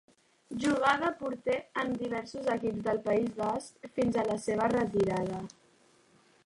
Jugà de porter en diversos equips del País Basc fins a la seva retirada.